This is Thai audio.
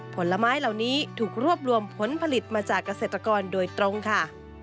ผลไม้เหล่านี้ถูกรวบรวมผลผลิตมาจากเกษตรกรโดยตรงค่ะ